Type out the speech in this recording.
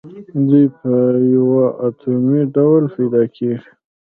دوی په یو اتومي ډول پیداکیږي.